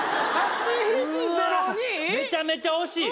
めちゃめちゃ惜しい。